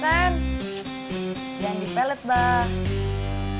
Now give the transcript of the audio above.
jangan dipelet bah